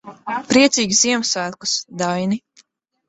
Priecīgus Ziemassvētkus, Daini.